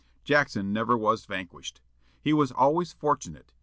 Jackson never was vanquished. He was always fortunate.